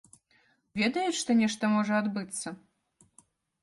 Ведаюць, што нешта можа адбыцца?